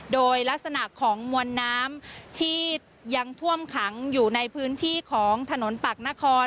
โดยลักษณะของมวลน้ำที่ยังท่วมขังอยู่ในพื้นที่ของถนนปากนคร